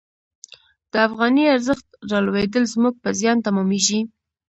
د افغانۍ ارزښت رالوېدل زموږ په زیان تمامیږي.